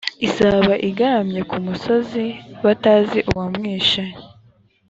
izaba igaramye ku gasozi batazi uwamwishe,